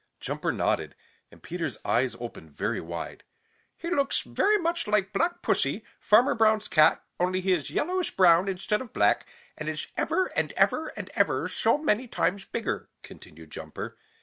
Jumper nodded, and Peter's eyes opened very wide. "He looks very much like Black Pussy, Farmer Brown's cat, only he is yellowish brown instead of black, and is ever and ever and ever so many times bigger," continued Jumper.